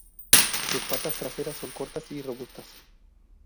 Sus patas traseras son cortas y robustas.